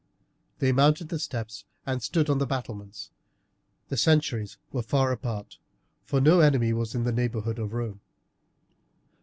They mounted the steps and stood on the battlements. The sentries were far apart, for no enemy was in the neighbourhood of Rome.